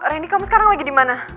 halo rendy kamu sekarang lagi dimana